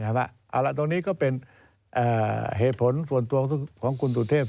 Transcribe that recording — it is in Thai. เอาละตรงนี้ก็เป็นเหตุผลส่วนตัวของคุณสุเทพ